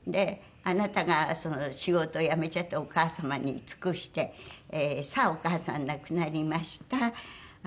「あなたが仕事を辞めちゃってお母様に尽くしてさあお母さん亡くなりました」。